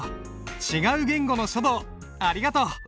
違う言語の書道ありがとう。